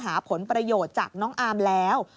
หาผลประโยชน์จากน้องอามแล้ว